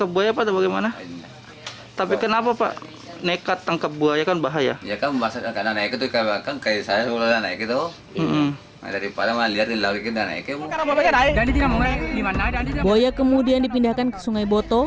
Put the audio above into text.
buaya kemudian dipindahkan ke sungai boto